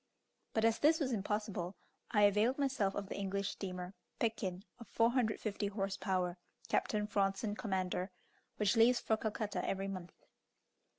But as this was impossible, I availed myself of the English steamer, "Pekin," of 450 horse power, Captain Fronson commander, which leaves for Calcutta every month.